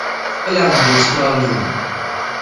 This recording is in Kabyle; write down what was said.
Tqelɛem-d imesmaṛen-nni.